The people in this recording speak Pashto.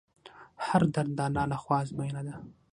هر درد د الله له خوا ازموینه ده.